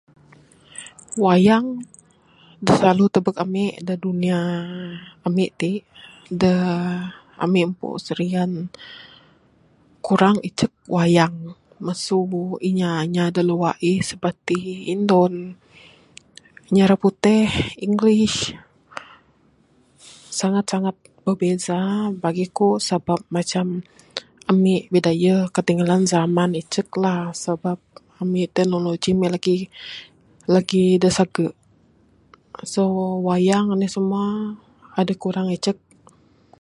Wayang dak silalu tebuk ami dak dunia ami ti, dak ami empu serian kurang icek wayang mesu inya inya dak luah eh seperti Indon inya reputih english sangat sangat bebeza bagi ku sabab macam ami bidayuh ketinggalan zaman icek la sabab ami teknologi ami legi legi dak sege so wayang enih semua adeh kurang icek.